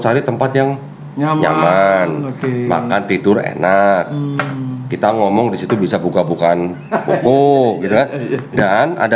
cari tempat yang nyaman makan tidur enak kita ngomong disitu bisa buka bukaan buku gitu kan dan ada